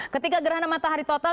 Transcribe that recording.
ketika gerhana matahari total